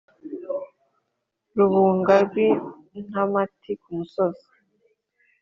rubunga rw' intamati ku musozi,